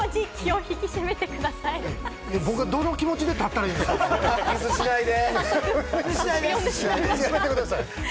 僕はどういう気持ちで、ここに立ったらいいですか？ミスしないで。